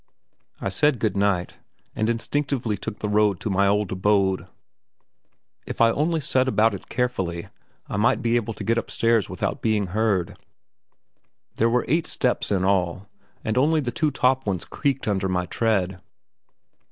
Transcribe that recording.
I said good night, and instinctively took the road to my old abode. If I only set about it carefully, I might be able to get upstairs without being heard; there were eight steps in all, and only the two top ones creaked under my tread.